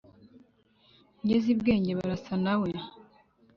ngeze i bwenge barasa na we.